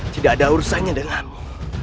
tidak ada urusannya denganmu